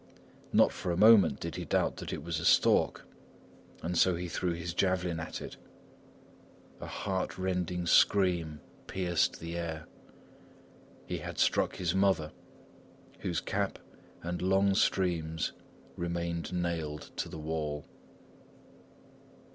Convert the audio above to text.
Not for a moment did he doubt that it was a stork, and so he threw his javelin at it. A heart rending scream pierced the air. He had struck his mother, whose cap and long streams remained nailed to the wall.